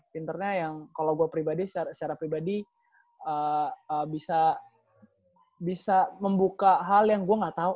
pinternya yang kalau gue pribadi secara pribadi bisa membuka hal yang gue gak tau